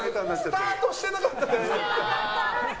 スタートしてなかった。